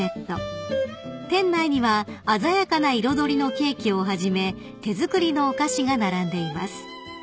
［店内には鮮やかな彩りのケーキをはじめ手作りのお菓子が並んでいます］